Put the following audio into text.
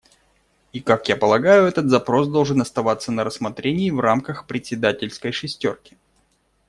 И как я полагаю, этот запрос должен оставаться на рассмотрении в рамках председательской шестерки.